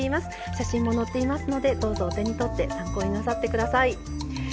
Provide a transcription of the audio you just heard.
写真も載っていますのでどうぞお手に取って参考になさって下さい。